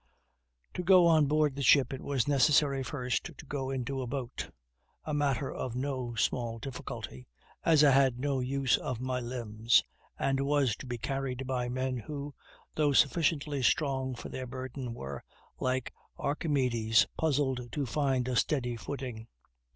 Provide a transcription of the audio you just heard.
To go on board the ship it was necessary first to go into a boat; a matter of no small difficulty, as I had no use of my limbs, and was to be carried by men who, though sufficiently strong for their burden, were, like Archimedes, puzzled to find a steady footing.